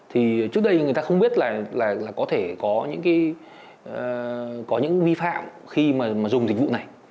thì trước đây người ta không biết là có thể có những vi phạm khi mà dùng dịch vụ này